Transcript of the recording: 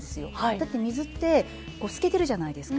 だって水って透けてるじゃないですか。